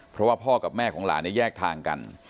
เพราะว่าพ่อกับแม่ของหลานแยกทางกัน